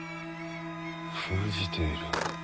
封じている。